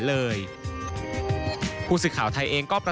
แล้วก็